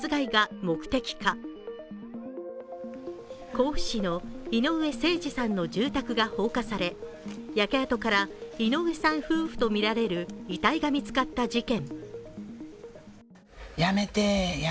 甲府市の井上盛司さんの住宅が放火され焼け跡から井上さん夫婦とみられる遺体が見つかった事件。